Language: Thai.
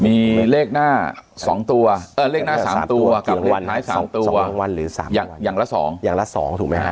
มีเลขหน้า๓ตัวกับเลขท้าย๓ตัวอย่างละ๒ถูกไหมครับ